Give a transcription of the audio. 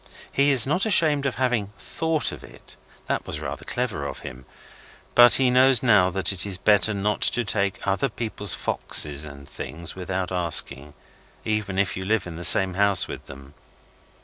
He is not ashamed of having THOUGHT of it. That was rather clever of him. But he knows now that it is better not to take other people's foxes and things without asking, even if you live in the same house with them.